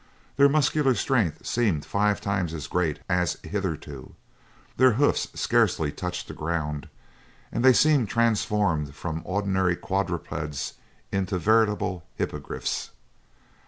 Their muscular strength seemed five times as great as hitherto; their hoofs scarcely touched the ground, and they seemed transformed from ordinary quadrupeds into veritable hippogriffs.